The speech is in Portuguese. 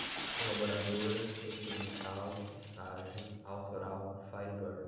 colaboradora, experimental, estágio, autoral, firebird